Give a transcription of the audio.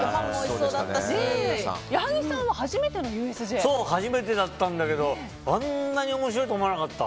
そう、初めてだったんだけどあんなに面白いとは思わなかった。